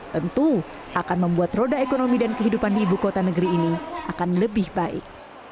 tentu akan membuat roda ekonomi dan kehidupan di ibu kota negeri ini akan lebih baik